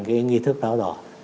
cái nghi thức đó rồi